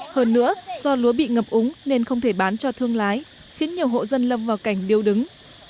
hơn nữa do lúa bị ngập úng nên không thể bán cho thương lái khiến nhiều hộ dân lâm vào cảnh điêu đứng